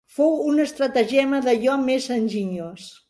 Fou un estratagema d'allò més enginyós.